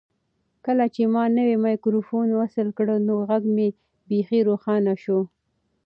کله چې ما نوی مایکروفون وصل کړ نو غږ مې بیخي روښانه شو.